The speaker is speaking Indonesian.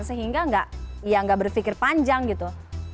sehingga ya nggak berpikir panjang gitu